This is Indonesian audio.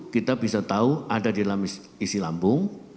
kita bisa tahu ada di dalam isi lambung